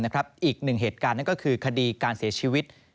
อีกหนึ่งเหตุการณ์นั่นก็คือคดีการเสียชีวิต